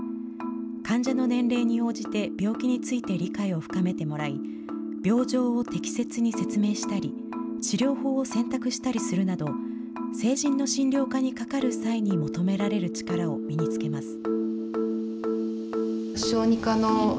患者の年齢に応じて病気について理解を深めてもらい、病状を適切に説明したり、治療法を選択したりするなど、成人の診療科にかかる際に求められる力を身につけます。